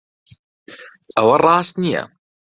ئەوە ڕاست نییە.